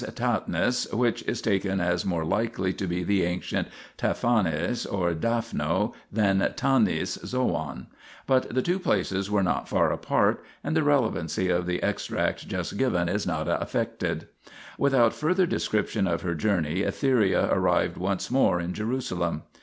Tathnis, which is taken as more likely to be the ancient Tahpanhes (or Daphno) 1 than Tanis (Zoan), but the two places were not far apart, and the relevancy of the extract just given is not affected. Without further description of her journey Etheria arrived once more in Jerusalem.